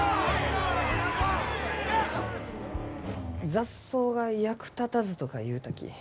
「雑草が役立たず」とか言うたき。